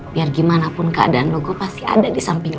biar gimana pun keadaan lo gue pasti ada di samping lo